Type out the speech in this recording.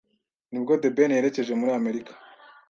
nibwo The Ben yerekeje muri Amerika